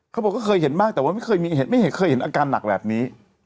เขาบอกก็เคยเห็นมากแต่ว่าไม่เคยเห็นอาการหนักแบบนี้